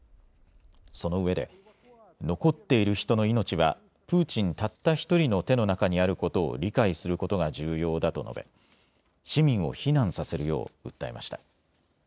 そのうえで残っている人の命はプーチンたった１人の手の中にあることを理解することが重要だと述べ市民を避難させるよう訴えました。